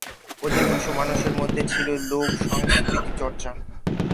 অধিকাংশ মানুষের মধ্যে ছিল লোক সংস্কৃতিরচর্চা।